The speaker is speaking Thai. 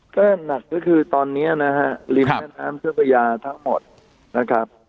ก็หนักก็คือตอนนี้นะฮะริมแม่น้ำเจ้าพระยาทั้งหมดนะครับ